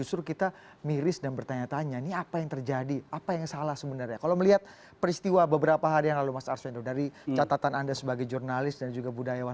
sama dengan hukum bidang